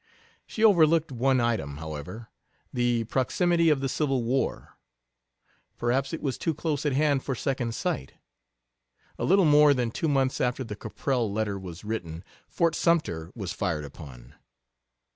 She overlooked one item, however: the proximity of the Civil War. Perhaps it was too close at hand for second sight. A little more than two months after the Caprell letter was written Fort Sumter was fired upon.